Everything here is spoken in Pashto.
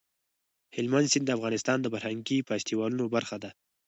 هلمند سیند د افغانستان د فرهنګي فستیوالونو برخه ده.